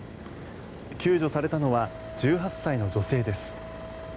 救助されたのは１８歳の女性です。